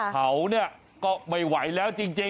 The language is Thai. เขาเนี่ยก็ไม่ไหวแล้วจริง